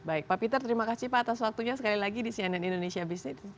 baik pak peter terima kasih pak atas waktunya sekali lagi di cnn indonesia business